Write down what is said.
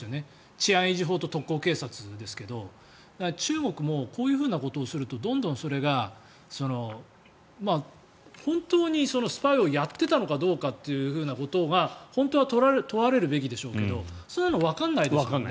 治安維持法と特高警察ですけど中国もこういうことをするとどんどんそれが本当にスパイをやっていたのかどうかということが本当は問われるべきでしょうけどそんなのわからないですよね。